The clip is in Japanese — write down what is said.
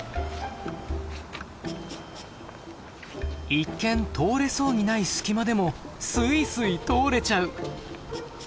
一見通れそうにない隙間でもスイスイ通れちゃう！